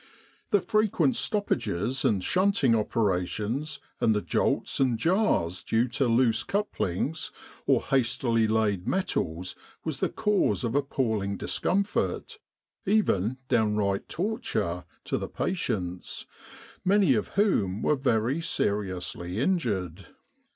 The frequent stoppages and shunting opera tions, and the jolts and jars due to loose couplings or hastily laid 1 metals was Ihe cause of appalling discomfort, even downright torture, to the patients, many of whom were very seriously injured.